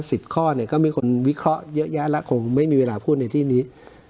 ข้อเนี่ยก็มีคนวิเคราะห์เยอะแยะแล้วคงไม่มีเวลาพูดในที่นี้